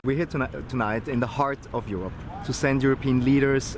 sebagai contoh para pemimpin eropa akan berkata kata jelas